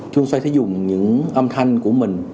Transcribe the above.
chuông xoay sẽ dùng những âm thanh của mình